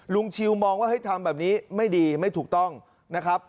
ชิวมองว่าเฮ้ยทำแบบนี้ไม่ดีไม่ถูกต้องนะครับ